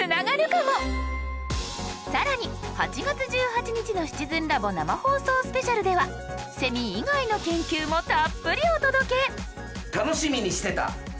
更に８月１８日の「シチズンラボ生放送スペシャル」ではセミ以外の研究もたっぷりお届け！